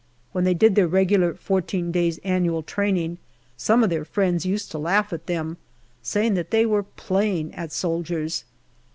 When they did their regular fourteen days' annual training, some of their friends used to laugh at them, saying that they were playing at soldiers.